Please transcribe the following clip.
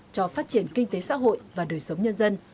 cho phát triển kinh tế xã hội và đời sống nhân dân